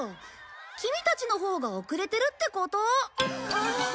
キミたちのほうが遅れてるってこと。